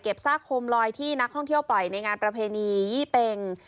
ซากโคมลอยที่นักท่องเที่ยวปล่อยในงานประเพณียี่เป็ง